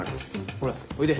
ほらおいで。